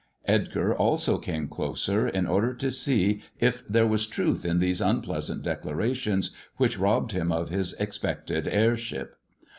Edgar also came closer, in order to see if there was truth in these unpleasant declarations which robbed him of his expected heirship.